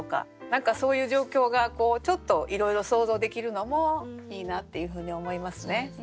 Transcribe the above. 何かそういう状況がちょっといろいろ想像できるのもいいなっていうふうに思いますね。